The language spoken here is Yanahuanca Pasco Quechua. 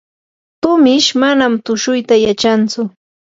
tumish manam tushuyta yachantsu.